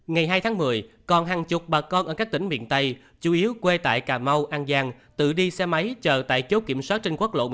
ngày hai tháng một mươi còn hàng chục bà con ở các tỉnh miền tây chủ yếu quê tại cà mau an giang tự đi xe máy chờ tại chốt kiểm soát